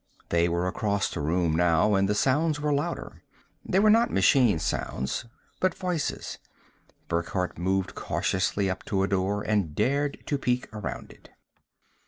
They were across the room now and the sounds were louder. They were not machine sounds, but voices; Burckhardt moved cautiously up to a door and dared to peer around it.